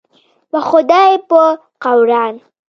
په خدای په قوران.